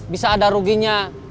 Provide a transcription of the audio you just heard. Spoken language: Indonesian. bisa ada ruginya